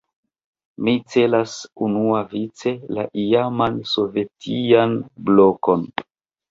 Mi celas unuavice la iaman sovetian "blokon".